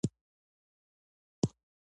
چین د کمربند او لارې پروژه پیل کړه.